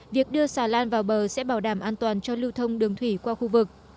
việc đưa xà lan vào bờ sẽ bảo đảm an toàn cho lưu thông đường thủy qua khu vực